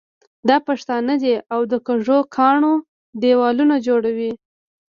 دا پښتانه دي او د کږو کاڼو دېوالونه جوړوي.